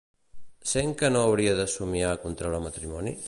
Sent que no hauria de somiar a contraure matrimoni?